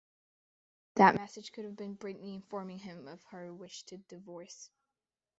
That message could have been Britney informing him of her wish to divorce.